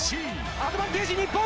アドバンテージ、日本！